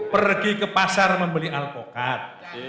pergi ke pasar membeli alpukat